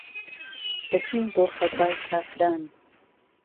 دهچين بۆ خەزای کافران